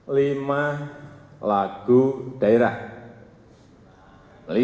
oh ms dapura dizurang nanti itu